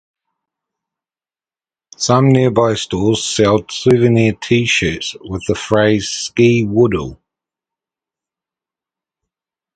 Some nearby stores sell souvenir T-shirts with the phrase "Ski Woodall".